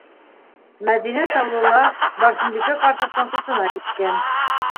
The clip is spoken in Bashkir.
Мәҙинә Таулыла, Барсынбикә ҡарсыҡтың сутына киткән...